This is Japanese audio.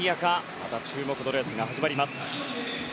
また注目のレースが始まります。